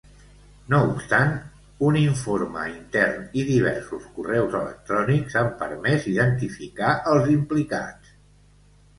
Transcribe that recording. No obstant, un informe intern i diversos correus electrònics han permès identificar els implicats.